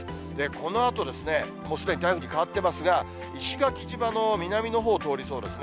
このあと、もうすでに台風に変わってますが、石垣島の南のほうを通りそうですね。